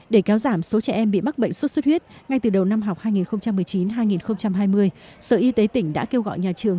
để kéo giảm số trẻ em bị mắc bệnh sốt xuất huyết ngay từ đầu năm học hai nghìn một mươi chín hai nghìn hai mươi sở y tế tỉnh đã kêu gọi nhà trường